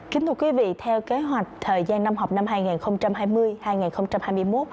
kính thưa quý vị theo kế hoạch thời gian năm học năm hai nghìn hai mươi hai nghìn hai mươi một